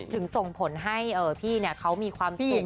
ส่งผลให้พี่เขามีความสุข